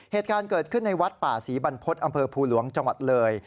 เหตุการณ์เกิดขึ้นในวัดป่าศรีบรรพฤษอำเภอภูหลวงจังหวัดเลย